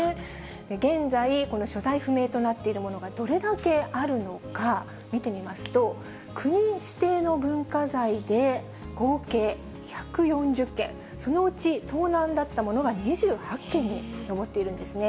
現在、この所在不明となっているものがどれだけあるのか見てみますと、国指定の文化財で合計１４０件、そのうち盗難だったものが２８件に上っているんですね。